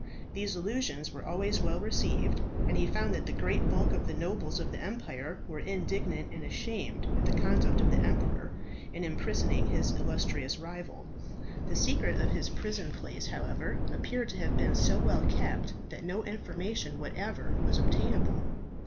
These allusions were always well received, and he found that the great bulk of the nobles of the empire were indignant and ashamed at the conduct of the emperor in imprisoning his illustrious rival. The secret of his prison place, however, appeared to have been so well kept that no information whatever was obtainable.